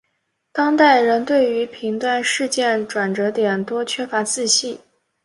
当代人对于评断事件转捩点多缺乏自信。